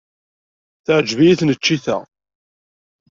Teɛjeb-iyi tneččit-a.